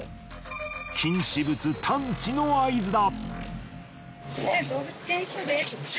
禁止物探知の合図だ。